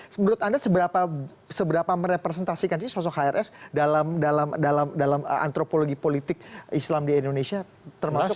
menurut anda seberapa merepresentasikan sih sosok hrs dalam antropologi politik islam di indonesia termasuk